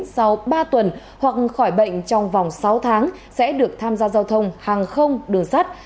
sau ba tuần hoặc khỏi bệnh trong vòng sáu tháng sẽ được tham gia giao thông hàng không đường sắt